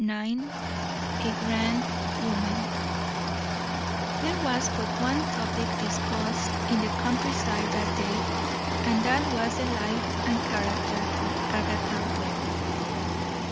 IX A GRAND WOMAN There was but one topic discussed in the country side that day, and that was the life and character of Agatha Webb.